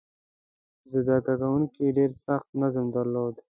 زده کوونکي ډېر سخت نظم درلود.